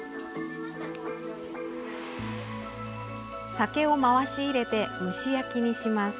酒を回し入れて蒸し焼きにします。